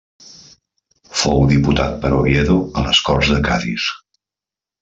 Fou diputat per Oviedo a les Corts de Cadis.